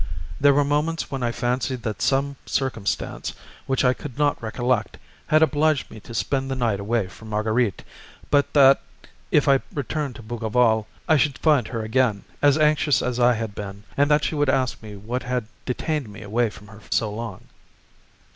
There were moments when I fancied that some circumstance, which I could not recollect, had obliged me to spend the night away from Marguerite, but that, if I returned to Bougival, I should find her again as anxious as I had been, and that she would ask me what had detained me away from her so long.